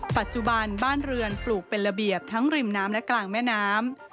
ปัจจุบันบ้านเรือนปลูกเป็นระเบียบทั้งริมน้ำและกลางแม่น้ำ